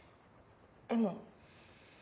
でも。